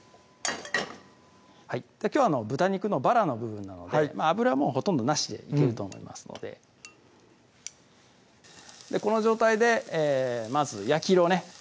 きょう豚肉のバラの部分なのではい油ほとんどなしでいけると思いますのでこの状態でまず焼き色をね